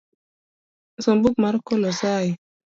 Som buk mar kolosai